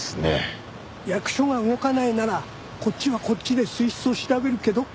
役所が動かないならこっちはこっちで水質を調べるけど。